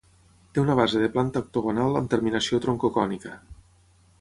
Té una base de planta octogonal amb terminació troncocònica.